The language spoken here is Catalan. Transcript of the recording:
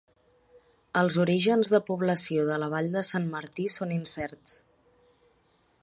Els orígens de població de la vall de Sant Martí són incerts.